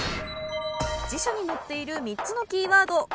辞書に載っている３つのキーワード